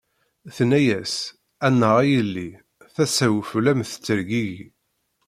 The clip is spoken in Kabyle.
Tenna-as: A nnaɣ a yelli, tasa-w fell-am tettergigi.